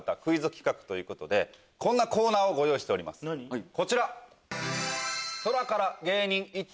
こんなコーナーをご用意しておりますこちら。